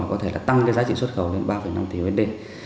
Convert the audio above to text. có thể tăng giá trị xuất khẩu lên ba năm triệu usd